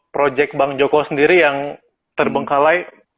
proyek bang joko sendiri yang terbengkalai